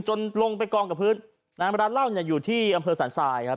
ลงไปกองกับพื้นนะฮะร้านเหล้าเนี่ยอยู่ที่อำเภอสันทรายครับ